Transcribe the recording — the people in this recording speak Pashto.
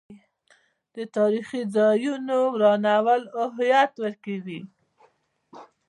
د تاریخي ځایونو ورانول هویت ورکوي.